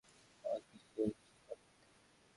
আবার কীসের স্বীকারোক্তি?